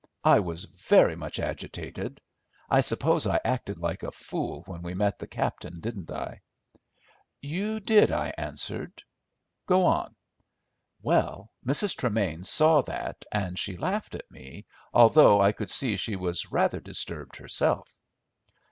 I was very much agitated. I suppose I acted like a fool when we met the captain, didn't I?" "You did," I answered; "go on." "Well, Mrs. Tremain saw that, and she laughed at me, although I could see she was rather disturbed herself."